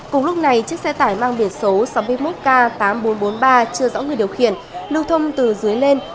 cùng lúc này chiếc xe tải mang biển số sáu mươi một k tám nghìn bốn trăm bốn mươi ba chưa rõ người điều khiển lưu thông từ dưới lên